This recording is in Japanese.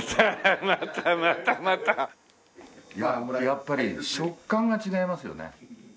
やっぱり食感が違いますよね。